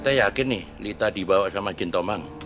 tete yakin nih lita dibawa sama jintomang